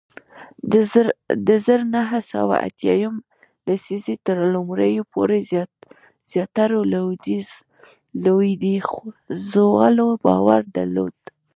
د زر نه سوه اتیا یمې لسیزې تر لومړیو پورې زیاترو لوېدیځوالو باور درلود